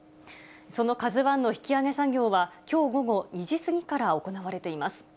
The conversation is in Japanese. そのＫＡＺＵＩの引き揚げ作業は、きょう午後２時過ぎから行われています。